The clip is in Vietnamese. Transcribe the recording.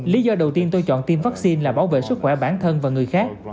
lý do đầu tiên tôi chọn tiêm vaccine là bảo vệ sức khỏe bản thân và người khác